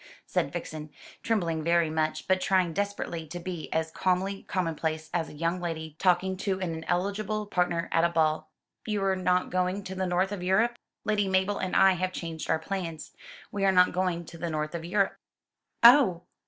said Vixen, trembling very much, but trying desperately to be as calmly commonplace as a young lady talking to an ineligible partner at a ball. "You are not going to the north of Europe?" "Lady Mabel and I have changed our plans. We are not going to the north of Europe." "Oh!"